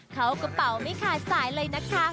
เขากระเป๋าไม่ขาดสายเลยนะคะ